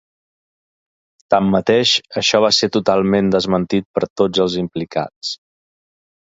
Tanmateix, això va ser totalment desmentit per tots els implicats.